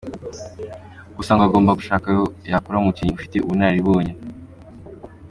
Gusa ngo agomba gushaka aho yakura umukinnyi ufite ubunararibonye.